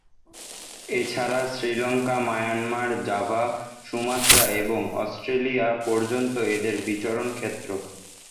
এছাড়া Sri Lanka, Myanmar, Java, Sumatra এবং Australia পর্যন্ত এদের বিচরণ ক্ষেত্র।